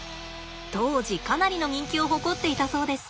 当時かなりの人気を誇っていたそうです。